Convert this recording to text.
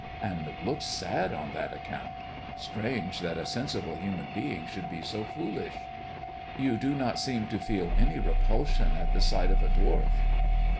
'' And looks sad on that account. Strange that a sen sible human being should be so foolish." " You do not seem to feel any repulsion at the sight of a dwarf."